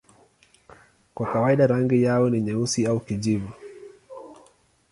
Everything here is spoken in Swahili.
Kwa kawaida rangi yao ni nyeusi au kijivu.